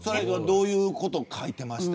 どういうことを書いていましたか。